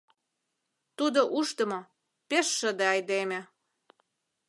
Тудо ушдымо, пеш шыде айдеме...